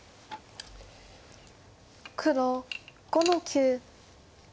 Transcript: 黒５の九。